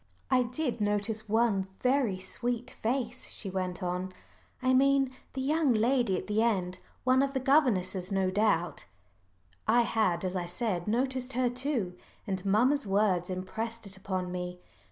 "I did notice one very sweet face," she went on, "I mean the young lady at the end one of the governesses no doubt." I had, as I said, noticed her too, and mamma's words impressed it upon me.